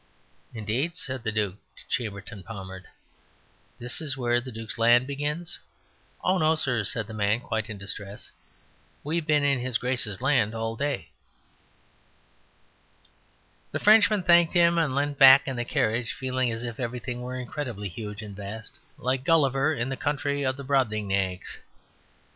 "Indeed," said the Duc de Chambertin Pommard, "that is where the Duke's land begins?" "Oh no, sir," said the man, quite in distress. "We've been in his Grace's land all day." The Frenchman thanked him and leant back in the carriage, feeling as if everything were incredibly huge and vast, like Gulliver in the country of the Brobdingnags.